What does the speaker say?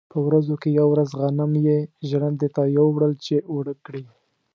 په ورځو کې یوه ورځ غنم یې ژرندې ته یووړل چې اوړه کړي.